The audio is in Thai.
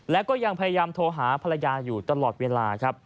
และก็ยังพยายามโทรหาภรรยาอยู่ตลอดเวลาครับ